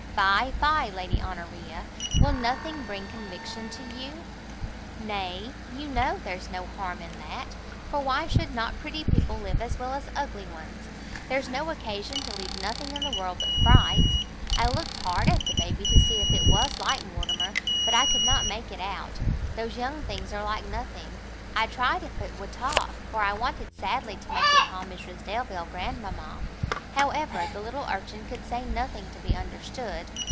"Fie, fie, Lady Honoria! will nothing bring conviction to you?" "Nay, you know, there's no harm in that, for why should not pretty people live as well as ugly ones? There's no occasion to leave nothing in the world but frights. I looked hard at the baby, to see if it was like Mortimer, but I could not make it out; those young things are like nothing. I tried if it would talk, for I wanted sadly to make it call Mrs Delvile grandmama; however, the little urchin could say nothing to be understood.